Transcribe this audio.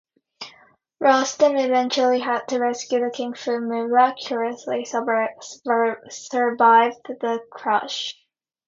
Rostam eventually had to rescue the king who, miraculously, survived the crash.